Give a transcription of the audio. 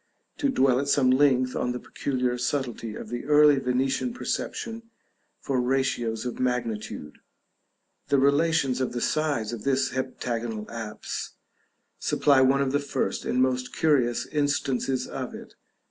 to dwell at some length on the peculiar subtlety of the early Venetian perception for ratios of magnitude; the relations of the sides of this heptagonal apse supply one of the first and most curious instances of it.